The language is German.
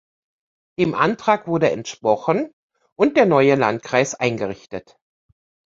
Dem Antrag wurde entsprochen und der neue Landkreis eingerichtet.